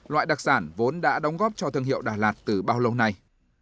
loại đặc sản vốn đã đóng góp cho thương hiệu đà lạt từ bao lâu nay